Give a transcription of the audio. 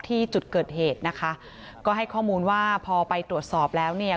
ที่จุดเกิดเหตุนะคะก็ให้ข้อมูลว่าพอไปตรวจสอบแล้วเนี่ย